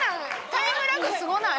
タイムラグすごない？